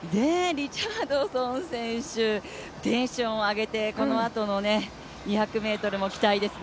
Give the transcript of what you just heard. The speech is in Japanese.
リチャードソン選手、テンションを上げて、このあとの２００ｍも期待ですね。